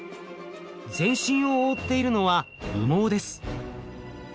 全身を覆っているのは羽毛です。